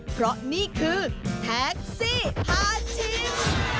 เพราะนี่คือแท็กซี่พาชิล